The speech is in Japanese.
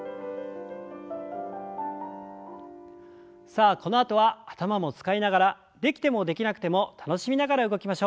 さあこのあとは頭も使いながらできてもできなくても楽しみながら動きましょう。